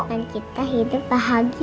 dan kita hidup bahagia